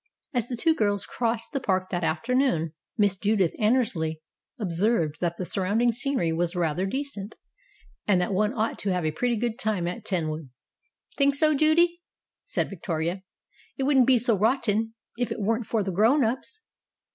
As the two girls crossed the park that afternoon Miss Judith Annersley observed that the surrounding scenery was rather decent, and that one ought to have a pretty good time at Tenwood. THE TENWOOD WITCH 245 "Think so, Judy?" said Victoria. "It wouldn't be so rotten if it weren't for the grown ups."